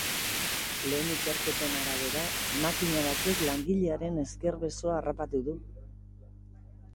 Lehen ikerketen arabera, makina batek langilearen ezker besoa harrapatu du.